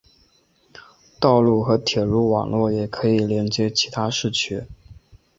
道路和铁路网络也可以连接其他市区。